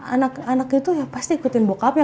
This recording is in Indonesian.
anak anak itu ya pasti ikutin bockupnya